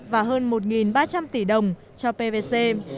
và hơn một ba trăm linh tỷ đồng cho pvc